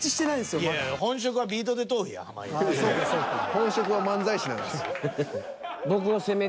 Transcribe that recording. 本職は漫才師なんです。